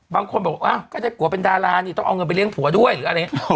บางคนบอกว่าก็ได้กลัวเป็นดาราเนี่ยต้องเอาเงินไปเลี้ยงผัวด้วยหรืออะไรเงี้ย